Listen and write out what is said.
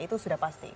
itu sudah pasti